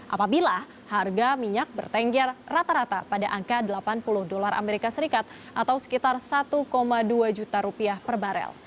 apabila harga minyak bertengger rata rata pada angka rp delapan puluh dolar as atau sekitar rp satu dua juta per barel